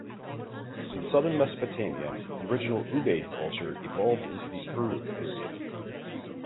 In southern Mesopotamia, the original Ubaid culture evolved into the Uruk period.